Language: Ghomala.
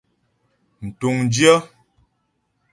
Mtuŋdyə́.